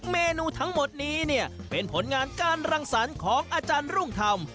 เมนูทั้งหมดนี้เนี่ยเป็นผลงานการรังสรรค์ของอาจารย์รุ่งธรรม